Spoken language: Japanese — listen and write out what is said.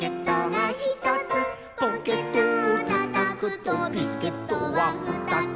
「ポケットをたたくとビスケットはふたつ」